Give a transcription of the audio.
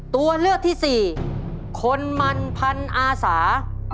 ตัวเลือกที่สี่คนมันพันอาสา